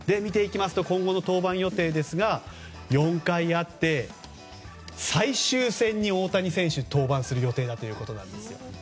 今後の登板予定ですが４回あって、最終戦に大谷選手登板する予定だということなんです。